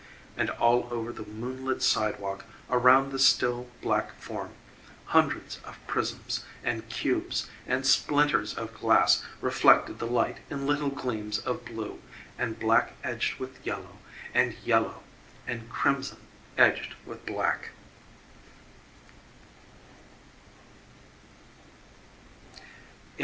And all over the moonlit sidewalk around the still, black form, hundreds of prisms and cubes and splinters of glass reflected the light in little gleams of blue, and black edged with yellow, and yellow, and crimson edged with black.